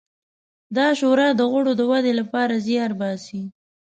دا شورا د غړو د ودې لپاره زیار باسي.